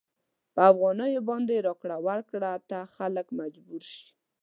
په افغانیو باندې راکړې ورکړې ته خلک مجبور شي.